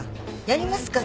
やりますか？